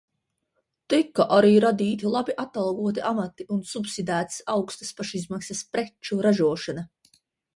Tika arī radīti labi atalgoti amati un subsidēts augstas pašizmaksas preču ražošana.